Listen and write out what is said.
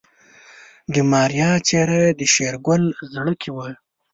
د ماريا څېره د شېرګل زړه کې وه.